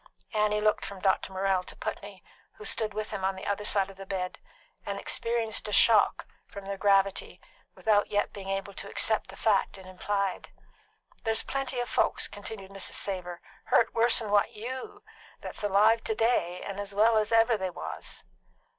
Annie looked from Dr. Morrell to Putney, who stood with him on the other side of the bed, and experienced a shock from their gravity without yet being able to accept the fact it implied. "There's plenty of folks," continued Mrs. Savor, "hurt worse'n what you be that's alive to day and as well as ever they was."